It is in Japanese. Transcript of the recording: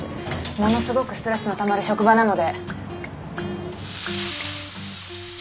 ものすごくストレスのたまる職場なので！